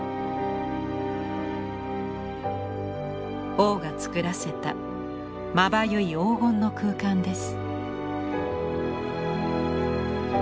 王が作らせたまばゆい黄金の空間です。